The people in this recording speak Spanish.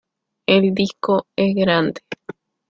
El disco es grande.